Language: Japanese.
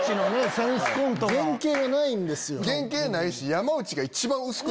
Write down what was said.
原形ないし。